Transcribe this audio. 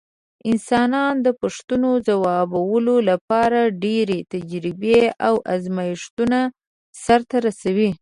انسانان د پوښتنو ځوابولو لپاره ډېرې تجربې او ازمېښتونه سرته رسوي.